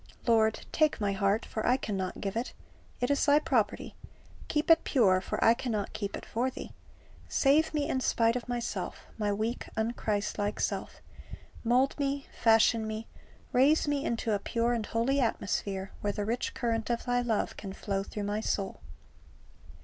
Lord, take my heart; for I can not give it. It is Thy property. Keep it pure, for I can not keep it for Thee. Save me in spite of myself, my weak, unchristlike self Mold me, fashion me, raise me into a pure and holy atmosphere, where the rich current of Thy love can flow through my soul.